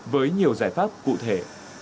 với nhiều giải pháp cụ thể